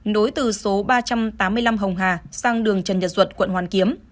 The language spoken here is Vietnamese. nối từ số ba trăm tám mươi năm hồng hà sang đường trần nhật duật quận hoàn kiếm